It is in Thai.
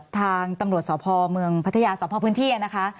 ทางตำรวจส่วนพระพัทยาสลพื้นที่